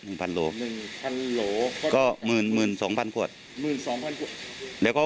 หนึ่งพันโลหนึ่งพันโลก็หมื่นหมื่นสองพันขวดหมื่นสองพันขวด